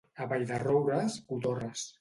A Vall-de-roures, cotorres.